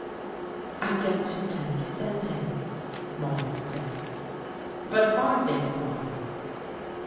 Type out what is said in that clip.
"I don't intend to send him," Maude said. "But if I think it wise?"